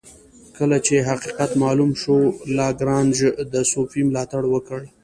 کله چې حقیقت معلوم شو لاګرانژ د صوفي ملاتړ وکړ.